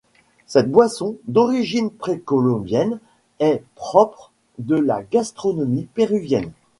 Cette boisson, d'origine précolombienne, est propre de la gastronomie péruvienne.